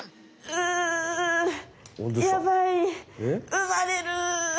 うまれる。